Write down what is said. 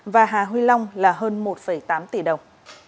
và hà huy long là hơn một tám tỷ đồng